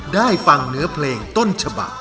ได้ฟังเนื้อเพลงต้นฉบัก